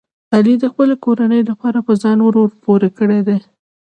علي د خپلې کورنۍ لپاره په ځان اور پورې کړی دی.